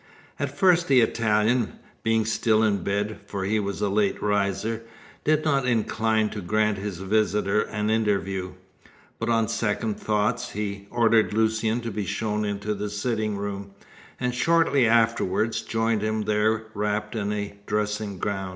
At first the Italian, being still in bed for he was a late riser did not incline to grant his visitor an interview; but on second thoughts he ordered Lucian to be shown into the sitting room, and shortly afterwards joined him there wrapped in a dressing gown.